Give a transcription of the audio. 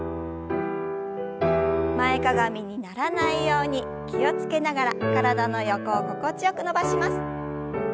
前かがみにならないように気を付けながら体の横を心地よく伸ばします。